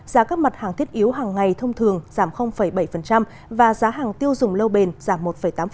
giá các mặt hàng thiết yếu hàng ngày thông thường giảm bảy và giá hàng tiêu dùng lâu bền giảm một tám